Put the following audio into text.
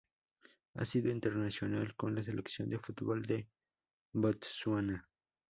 Ha sido internacional con la Selección de fútbol de Botsuana.